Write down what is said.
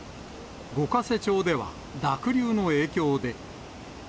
五ヶ瀬町では、濁流の影響で。